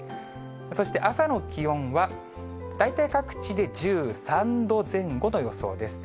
そして朝の気温は、大体各地で１３度前後の予想です。